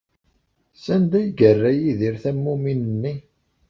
Sanda ay yerra Yidir tammumin-nni?